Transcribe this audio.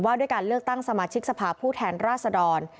ด้วยการเลือกตั้งสมาชิกสภาพผู้แทนราษดร